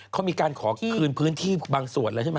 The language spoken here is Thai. เขามีการขอคืนพื้นที่บางส่วนแล้วใช่ไหม